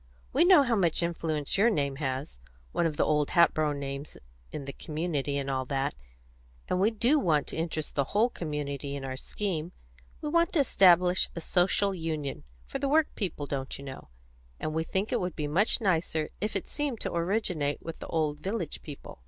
We know how much influence your name has one of the old Hatboro' names in the community, and all that; and we do want to interest the whole community in our scheme. We want to establish a Social Union for the work people, don't you know, and we think it would be much nicer if it seemed to originate with the old village people."